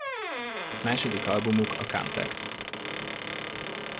Második albumuk a Contact!